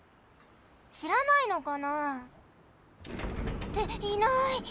しらないのかな？っていない！